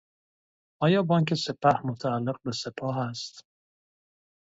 آیا بانک سپه متعلق به سپاه است؟